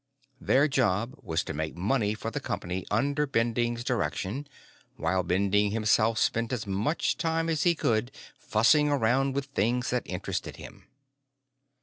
Their job was to make money for the company under Bending's direction while Bending himself spent as much time as he could fussing around with things that interested him.